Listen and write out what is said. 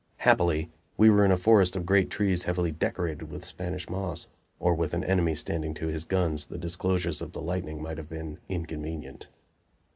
Happily, we were in a forest of great trees heavily "decorated" with Spanish moss, or with an enemy standing to his guns the disclosures of the lightning might have been inconvenient.